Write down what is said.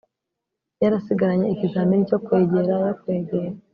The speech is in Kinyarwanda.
yarasigaranye ikizamini cyo kwegera yo kwegera